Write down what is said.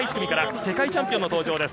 世界チャンピオンの登場です。